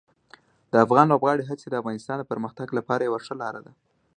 د افغان لوبغاړو هڅې د افغانستان د پرمختګ لپاره یوه ښه لار ده.